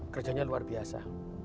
kerjanya luar biasa